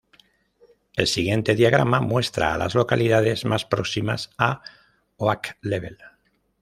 El siguiente diagrama muestra a las localidades más próximas a Oak Level.